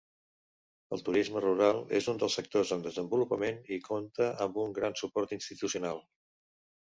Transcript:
El turisme rural és un dels sectors en desenvolupament i compta amb gran suport institucional.